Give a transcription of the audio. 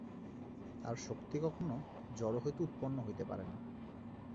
আর শক্তি কখনও জড় হইতে উৎপন্ন হইতে পারে না।